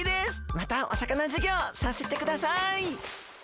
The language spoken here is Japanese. またお魚授業させてください。